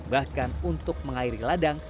bahkan untuk mengairi ladang